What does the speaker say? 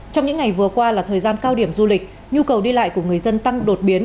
trong những ngày vừa qua là thời gian cao điểm du lịch nhu cầu đi lại của người dân tăng đột biến